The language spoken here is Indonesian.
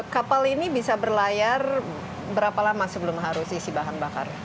kapal ini bisa berlayar berapa lama sebelum harus isi bahan bakar